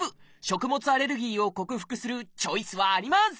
食物アレルギーを克服するチョイスはあります！